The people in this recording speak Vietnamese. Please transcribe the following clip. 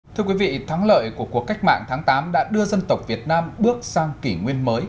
thưa quý vị thắng lợi của cuộc cách mạng tháng tám đã đưa dân tộc việt nam bước sang kỷ nguyên mới